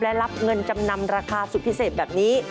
และรับเงินจำนำราคาสุดพิเศษแบบนี้